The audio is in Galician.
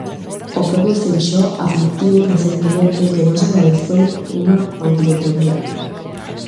O propio Feixóo admitiu recentemente que non se realizou unha auditoría.